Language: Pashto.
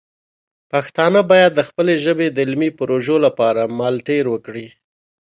پښتانه باید د خپلې ژبې د علمي پروژو لپاره مالتړ وکړي.